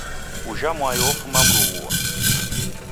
Ujha mwai ofuma Mrughua